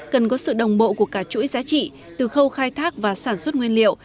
cần có sự đồng bộ của cả chuỗi giá trị từ khâu khai thác và sản xuất nguyên liệu